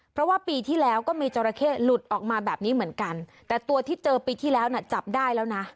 เพราะว่าปีที่แล้วก็มีจราเข้หลุดออกมาแบบนี้เหมือนกันแต่ตัวที่เจอปีที่แล้วน่ะจับได้แล้วนะ